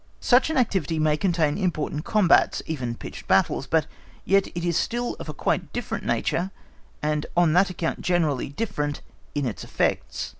Such an activity may contain important combats—even pitched battles—but yet it is still of quite a different nature, and on that account generally different in its effects.